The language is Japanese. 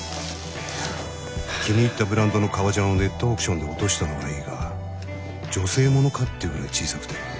気に入ったブランドの革ジャンをネットオークションで落としたのはいいが女性物かっていうぐらい小さくて。